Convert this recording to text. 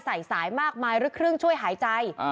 ใส่สายมากมายลึกครึ่งช่วยหายใจ